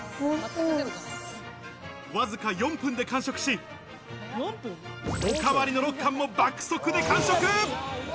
わずか４分で完食し、おかわりの６貫も爆速で完食。